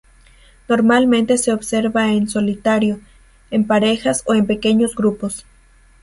Normalmente se observa en solitario, en parejas o en pequeños grupos.